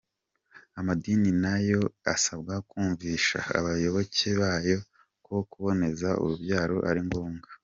Amadini na yo asabwa kumvisha abayoboke bayo ko kuboneza urubyaro ari ngombwa.